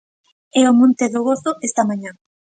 É o Monte do Gozo esta mañá.